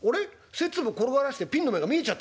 賽っ粒転がらせてピンの目が見えちゃってる」。